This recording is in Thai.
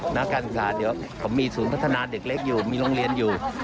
นักการศึกษาเดี๋ยวผมมีศูนย์พัฒนาเด็กเล็กอยู่มีโรงเรียนอยู่